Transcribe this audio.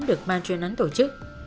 được ban chuyên án tổ chức